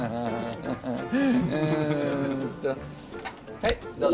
はいどうぞ。